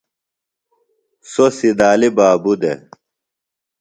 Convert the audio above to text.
سوۡ سِدالی بابوۡ دےۡ